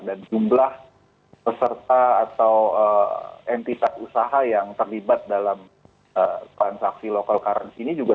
dan jumlah peserta atau entitas usaha yang terlibat dalam transaksi local currency ini juga